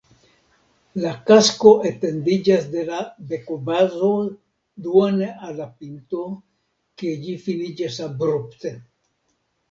La kasko etendiĝas de la bekobazo duone al la pinto, kie ĝi finiĝas abrupte.